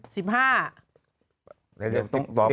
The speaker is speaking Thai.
ต้องต้องบอก